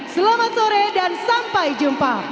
selamat sore dan sampai jumpa